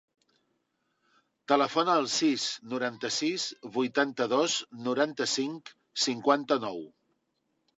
Telefona al sis, noranta-sis, vuitanta-dos, noranta-cinc, cinquanta-nou.